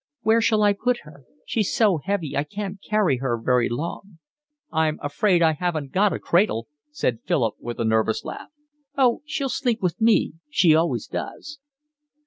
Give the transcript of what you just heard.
"Where shall I put her? She's so heavy I can't carry her very long." "I'm afraid I haven't got a cradle," said Philip, with a nervous laugh. "Oh, she'll sleep with me. She always does."